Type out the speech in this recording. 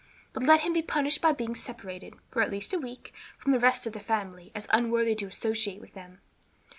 But let him be punished by being separated, for at least a week, from the rest of the family, as unworthy to associate with them."